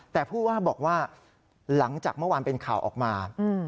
แต่ผู้ว่าบอกว่าหลังจากเมื่อวานเป็นข่าวออกมา